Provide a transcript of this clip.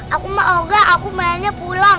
aku mah ogah aku mainnya pulang